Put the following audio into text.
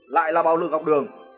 lại là bạo lực học đường